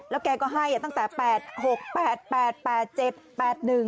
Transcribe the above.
แล้วแกก็ให้ตั้งแต่๘๖๘๘๘๗๘๑